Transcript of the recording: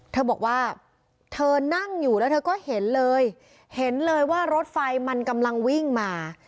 เธอบอกว่าเธอนั่งอยู่แล้วเธอก็เห็นเลยเห็นเลยว่ารถไฟมันกำลังวิ่งมา